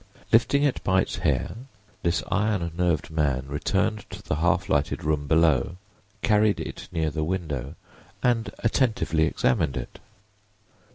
Lifting it by the hair this iron nerved man returned to the half lighted room below, carried it near the window and attentively examined it.